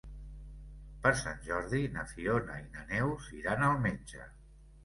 Per Sant Jordi na Fiona i na Neus iran al metge.